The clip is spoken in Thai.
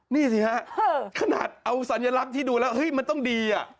นี่สิฮะขนาดเอาสัญลักษณ์ที่ดูแล้วเฮ้ยมันต้องดีอ่ะ